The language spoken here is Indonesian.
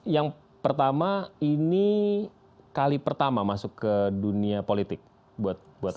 yang pertama ini kali pertama masuk ke dunia politik buat anda